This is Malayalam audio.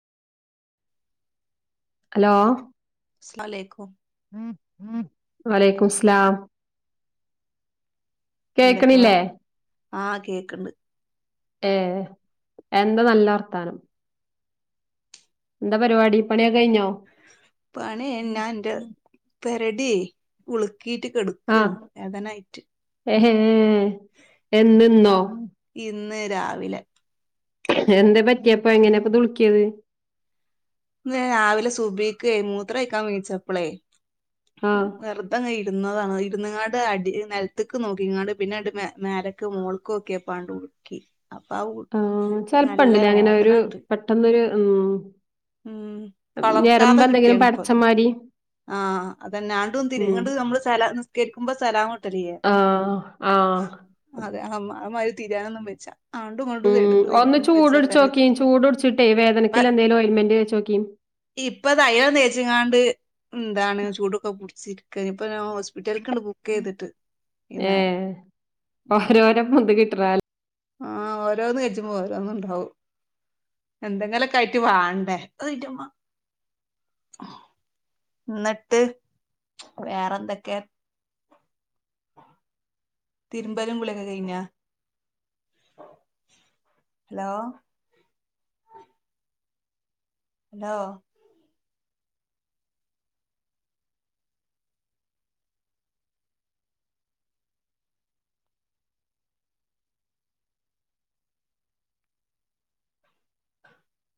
ഹലോ അസ്സലാമുഅലൈക്കും വലയ്ക്കും മുസ്സലാം എന്തൊക്കെ വർ കേക്ക്ണില്ലേ ആഹ് കേക്ക്ണ്ട് ഏ എന്ത നല്ല വർത്താനം എന്താ പരിപാടി പണിയൊക്കെ കഴിഞ്ഞോ പണി ഞാൻ ഇന്റെ പെരഡ്യെ ഉളുക്കിട്ട് കെട്ക്ക ക്കാണ് വേദന ആയിട്ട് ഏഹ് ഹേ ഹേ എന്നിന്നോ ഇന്ന് രാവിലെ എന്താ പറ്റിയപ്പൊ എങ്ങനെപ്പൊ തുള്ക്കിയത് ഇന്ന് രാവിലെ സുബീക്ക് മൂത്രക്കാൻ നീച്ചപ്പളെ ആ വെറ ഇതങ്ങെ ഇരുന്നതാണ്. ഇരുന്ന്ങ്ങാട് അടി നെൽത്ത്ക്ക് നോക്കിങ്ങാട് പിന്നെ ആണ്ട് മേ മേലക്ക് മോൾക്കോക്കിയേപ്പോ ആണ്ട് ഉളു ക്കി അപ്പ അവു ആ നല്ല വേദനണ്ട് പെട്ടെന്നരു ഉം ഉം കളർക്കാതെ ഞരമ്പെന്തെങ്കിലും കിട്ടിയാണ് ഇപ്പത് പടച്ചമാരി ആഹ് അതന്നാണ്ടും ഉം തിരിണ്ടും നമ്മള് സ്ഥല നിസ്കരിക്കുമ്പോ സ്ഥലംവിട്ടേ ലയേ ആഹ അതെ അവഹ് അമാര് തിരാനൊന്നും വെച്ച ആണ്ടും ഉ ഇങ്ങോട്ടും എടുക്ക് ഒന്ന് തിരിയാനും വെച്ച പെര ചൂടടിച്ചോക്കിയും ചൂട്ടിച്ചിട്ടേ ഇപ്പ വേദനക്കൽ എന്തേങ്കലും ഓലമെന്റ് തേച്ചക്കി ഇപ്പൊ തൈലം തേച്ചിങ്ങാണ്ട് എന്താണ് ചൂടൊക്കെ പുടിച്ചിരിക്ക ഇപ്പൊ ഹോസ്പിറ്റല കണ്ടുപോവ ക്കെയ്തിട്ട് വൈന്നാരം വന്ത് കിട്ടറ [unintelligible] ആഹ് ഓരോന്ന് കഴിച്ചുമ്പോ ഓരോന്ന് ഉണ്ടാവും എന്തെങ്കിലൊക്കെ ആയിട്ട് വാണ്ടേ ന്നട്ട് വേറെന്തൊക്കെ തിരുമ്പലും കുളിയൊക്കെ കഴിഞ്ഞോ ഹലോ ഹലോ